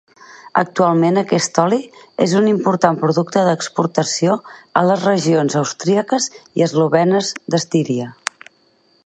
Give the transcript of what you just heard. Actualment aquest oli és un important producte d'exportació a les regions austríaques i eslovenes d'Estíria.